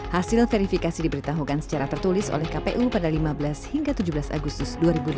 hasil verifikasi diberitahukan secara tertulis oleh kpu pada lima belas hingga tujuh belas agustus dua ribu delapan belas